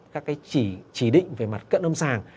các cái chỉ định về mặt cận âm sàng